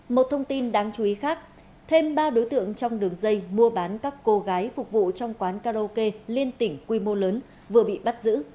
một thông tin đáng chú ý khác thêm ba đối tượng trong đường dây mua bán các cô gái phục vụ trong quán karaoke liên tỉnh quy mô lớn vừa bị bắt giữ